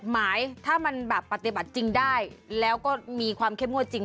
หมายถ้ามันแบบปฏิบัติจริงได้แล้วก็มีความเข้มงวดจริง